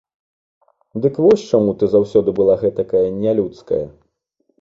Дык вось чаму ты заўсёды была гэтакая нялюдская!